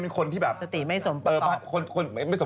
พี่ชอบแซงไหลทางอะเนาะ